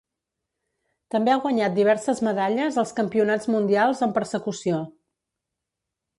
També ha guanyat diverses medalles als Campionats mundials en persecució.